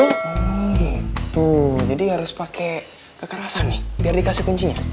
hmm gitu jadi harus pakai kekerasan nih biar dikasih kuncinya